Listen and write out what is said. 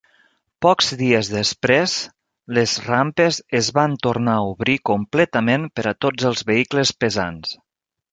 Pocs dies després, les rampes es van tornar a obrir completament per a tots els vehicles pesants.